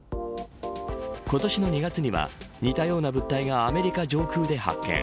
今年の２月には似たような物体がアメリカ上空で発見。